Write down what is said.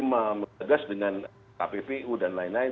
menegaskan dengan kppu dan lain lain